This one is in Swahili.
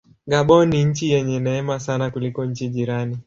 Gabon ni nchi yenye neema sana kuliko nchi jirani.